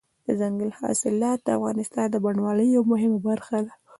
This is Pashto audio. دځنګل حاصلات د افغانستان د بڼوالۍ یوه مهمه برخه ده.